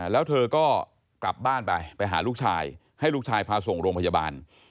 แล้วเธอก็กลับบ้านไปไปหาลูกชายให้ลูกชายพาส่งโรงพยาบาล